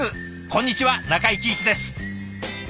こんにちは中井貴一です。